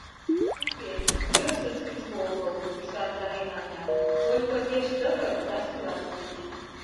— Уке, йӧршын шучко огыл, — ӱшандарен Аня, — только пеш шыгыр да шӱлаш пич.